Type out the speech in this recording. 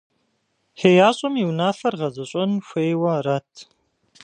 ХеящӀэм и унафээр гъэзэщӀэн хуейуэ арат.